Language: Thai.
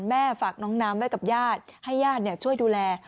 ฝากน้องน้ำไว้กับญาติให้ญาติช่วยดูแล